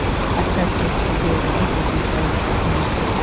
আজ সাত বৎসর হয়ে গেল, কেটির বয়স তখন আঠারো।